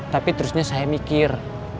tapi terusnya saya mikir